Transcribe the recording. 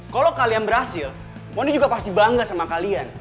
kalau kalian berhasil moni juga pasti bangga sama kalian